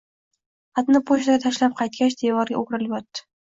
Xatni pochtaga tashlab qaytgach, devorga oʻgirilib yotdi